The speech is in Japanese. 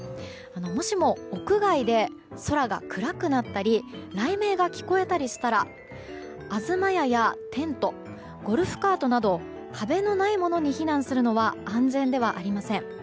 もしも屋外で空が暗くなったり雷鳴が聞こえたりしたら東屋やテント、ゴルフカートなど壁のないものに避難するのは安全ではありません。